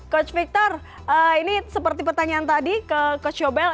coach victor ini seperti pertanyaan tadi ke coach yobel